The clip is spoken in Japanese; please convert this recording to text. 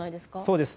そうです。